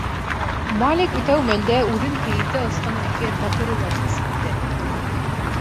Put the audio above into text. Малик тәү мәлдә үҙен кейеҙҙә осҡан әкиәт батырылай хис итте.